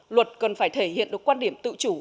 luật cần phải thể hiện được quan điểm tự chủ